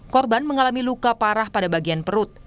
korban mengalami luka parah pada bagian perut